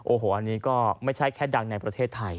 โอ้โหอันนี้ก็ไม่ใช่แค่ดังในประเทศไทย